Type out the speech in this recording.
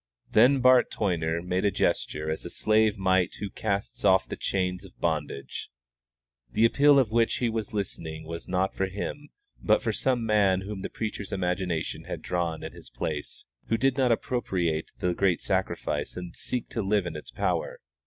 Then suddenly Bart Toyner made a gesture as a slave might who casts off the chains of bondage. The appeal to which he was listening was not for him, but for some man whom the preacher's imagination had drawn in his place, who did not appropriate the great Sacrifice and seek to live in its power.